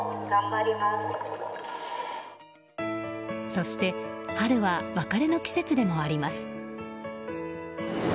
そして春は別れの季節でもあります。